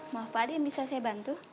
mohon apa aja bisa saya bantu